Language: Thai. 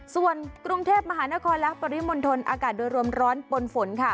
ส่วนกรุงเทพมหานครและปริมณฑลอากาศโดยรวมร้อนปนฝนค่ะ